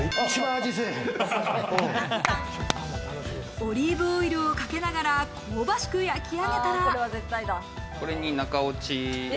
オリーブオイルをかけながら香ばしく焼き上げたら。